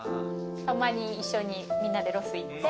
たまに一緒にみんなでロス行って。